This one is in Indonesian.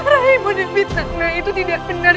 rai modem fitnah itu tidak benar